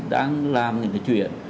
đang làm những cái chuyện